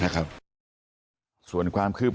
กำลังรอบที่นี่นะครับตำรวจสภศรีสมเด็จ